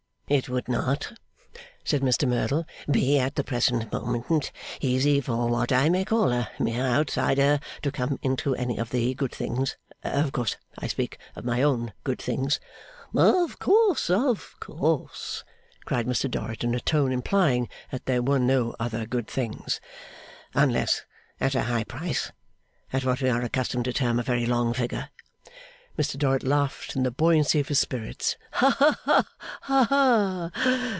'It would not,' said Mr Merdle, 'be at the present moment easy for what I may call a mere outsider to come into any of the good things of course I speak of my own good things ' 'Of course, of course!' cried Mr Dorrit, in a tone implying that there were no other good things. ' Unless at a high price. At what we are accustomed to term a very long figure.' Mr Dorrit laughed in the buoyancy of his spirit. Ha, ha, ha!